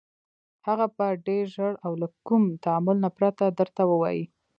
هغه به ډېر ژر او له كوم تأمل نه پرته درته ووايي: